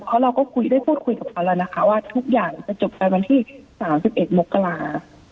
เพราะเราก็ต้องพูดกับคะลัยนะคะว่าทุกอย่างจะจบกันจาก๓๑มกรา